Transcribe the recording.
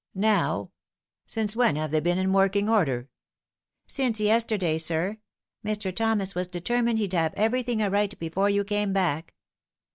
" Now ? Since when have they been in working order ?"" Since yesterday, sir. Mr. Thomas was determined he'd have everything right before yon came back."